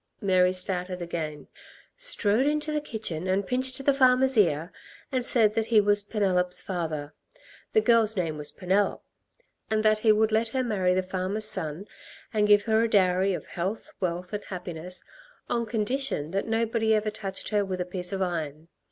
Mary started again: "Strode into the kitchen and pinched the farmer's ear, and said that he was Penelop's father ... the girl's name was Penelop ... and that he would let her marry the farmer's son, and give her a dowry of health, wealth and happiness, on condition that nobody ever touched her with a piece of iron.